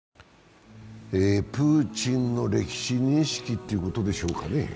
プーチンの歴史認識ということでしょうかね。